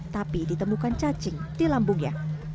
tapi ditemukan cacing di lambungnya